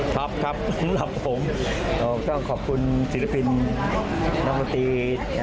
ชอบครับสำหรับผมช่วงขอบคุณศิลปินนครตี